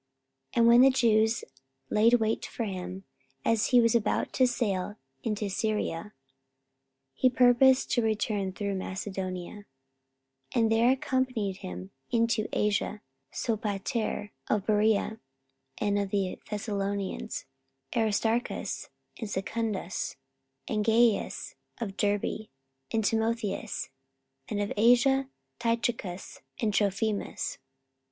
And when the Jews laid wait for him, as he was about to sail into Syria, he purposed to return through Macedonia. 44:020:004 And there accompanied him into Asia Sopater of Berea; and of the Thessalonians, Aristarchus and Secundus; and Gaius of Derbe, and Timotheus; and of Asia, Tychicus and Trophimus.